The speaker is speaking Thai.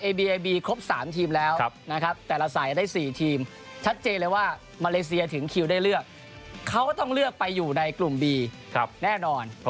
สวัสดีครับเรื่องของสนามนะครับเกียรติเย็นนะครับเกียรติเย็นนะครับ